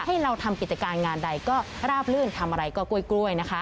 ให้เราทำกิจการงานใดก็ราบลื่นทำอะไรก็กล้วยนะคะ